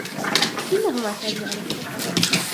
إنه معتاد على السفر.